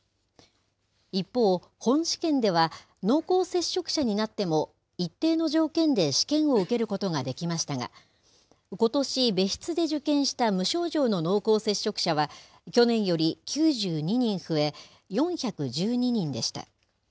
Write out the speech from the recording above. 一方、本試験では濃厚接触者になっても、一定の条件で試験を受けることができましたが、ことし、別室で受験した無症状の濃厚接触者は、去年より９２人増え４１２人でした。